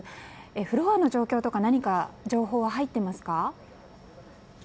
フロアの状況とか何か情報は入っていますか？